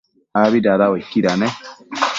abi dada uaiquida ne?